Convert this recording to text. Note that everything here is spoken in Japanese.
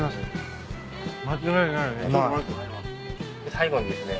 最後にですね